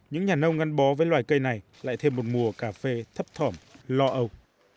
những nhà nông ngăn bó với loài cây này lại thêm một mùa cà phê thấp thỏm lo âu